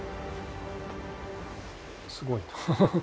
すごいな。